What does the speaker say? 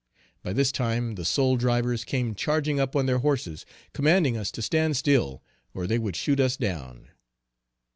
By this time, the soul drivers came charging up on their horses, commanding us to stand still or they would shoot us down.